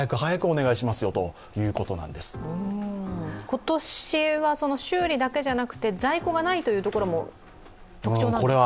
今年は修理だけじゃなくて在庫がないというところも特徴なんですか。